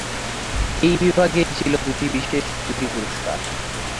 এই বিভাগেই ছিল দুটি বিশেষ জুরি পুরস্কার।